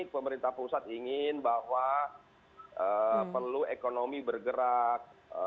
pemerintah pusat ingin bahwa perlu ekonomi bergerak